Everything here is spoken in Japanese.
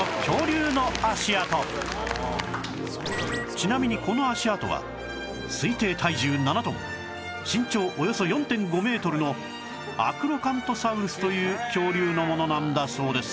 ちなみにこの足跡は推定体重７トン身長およそ ４．５ メートルのアクロカントサウルスという恐竜のものなんだそうです